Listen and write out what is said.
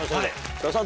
津田さん